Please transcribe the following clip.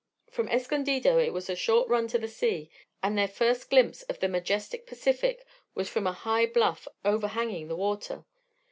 From Escondido it was a short run to the sea and their first glimpse of the majestic Pacific was from a high bluff overhanging the water.